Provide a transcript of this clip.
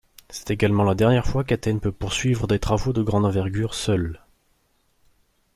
C'est également la dernière fois qu'Athènes peut poursuivre des travaux de grande envergure seule.